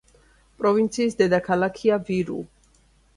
პროვინციის დედაქალაქია ვირუ.